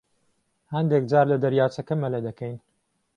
هەندێک جار لە دەریاچەکە مەلە دەکەین.